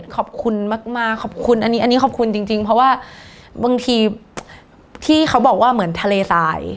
ขอบคุณมากขอบคุณอันนี้ขอบคุณจริงเพราะว่าบางทีที่เขาบอกว่าเหมือนทะเลสาย